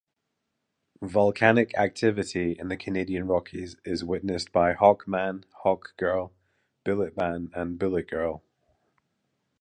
Volcanic activity in the Canadian Rockies is witnessed by Hawkman, Hawkgirl, Bulletman and Bulletgirl.